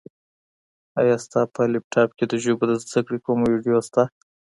ایا ستا په لیپټاپ کي د ژبو د زده کړې کومه ویډیو شته؟